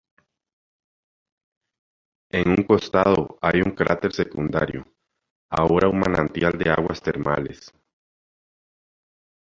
En un costado hay un cráter secundario, ahora un manantial de aguas termales.